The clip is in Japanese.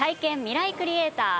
ミライクリエイター